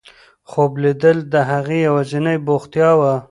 خوب لیدل د هغې یوازینۍ بوختیا وه.